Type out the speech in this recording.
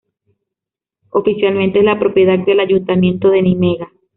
Oficialmente es la propiedad del Ayuntamiento de Nimega.